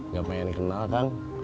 gak pengen dikenal kang